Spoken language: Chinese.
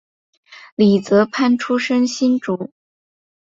李泽藩出生新竹